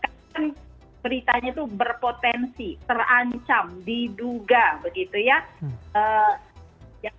jadi sekarang beritanya itu berpotensi terancam diduga begitu ya